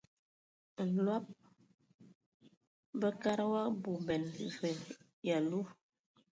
Nlɔb bəkada wa bɔban və yalu.